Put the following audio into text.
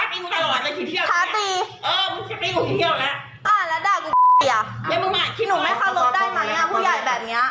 บ้านกูมึงจะมาไลฟ์กูได้ยังไง